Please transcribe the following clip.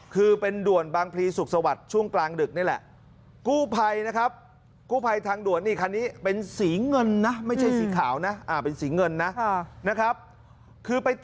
คือเป็นด่วนบางพีศุกษวรรษช่วงกลางดึกนี่แหละ